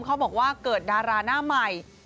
เขาบอกว่าเกิดดาราหน้าใหม่